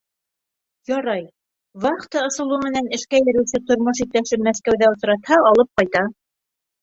Ярай, вахта ысулы менән эшкә йөрөүсе тормош иптәшем Мәскәүҙә осратһа, алып ҡайта.